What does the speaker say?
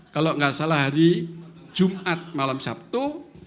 kalau nggak salah hari jumat malam sabtu